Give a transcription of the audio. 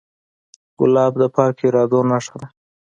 ګلاب د پاکو ارادو نښه ده.